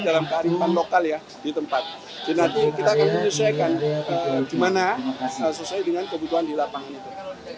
di tempat kita akan menyelesaikan gimana sesuai dengan kebutuhan di lapangan itu